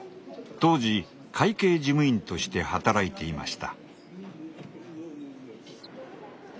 当時会計事務員として働いていました。